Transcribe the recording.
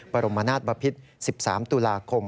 บรมนาศบพิษ๑๓ตุลาคม